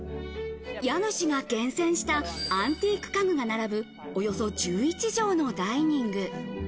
家主が厳選したアンティーク家具が並ぶ、１１帖のダイニング。